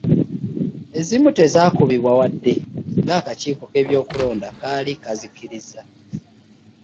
Ezimu tezaakubibwa wadde ng'akakiiko k'ebyokulonda kaali kazikkiriza.